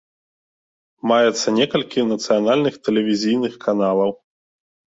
Маецца некалькі нацыянальных тэлевізійных каналаў.